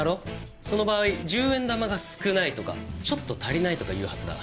その場合「１０円玉が少ない」とか「ちょっと足りない」とか言うはずだ。